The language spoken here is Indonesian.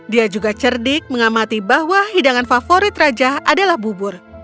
dia juga cerdik mengamati bahwa hidangan favorit raja adalah bubur